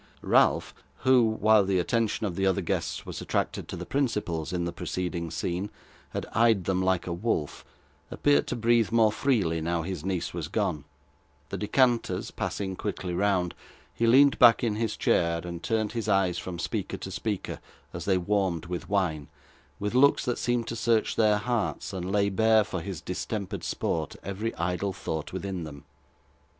Ralph, who, while the attention of the other guests was attracted to the principals in the preceding scene, had eyed them like a wolf, appeared to breathe more freely now his niece was gone; the decanters passing quickly round, he leaned back in his chair, and turned his eyes from speaker to speaker, as they warmed with wine, with looks that seemed to search their hearts, and lay bare, for his distempered sport, every idle thought within them.